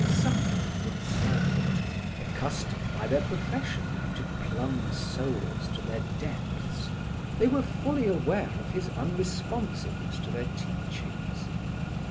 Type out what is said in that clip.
Subtle and observant, accustomed by their profession to plumb souls to their depths, they were fully aware of his unresponsiveness to their teachings.